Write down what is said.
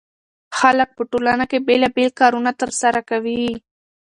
خلک په ټولنه کې بېلابېل کارونه ترسره کوي.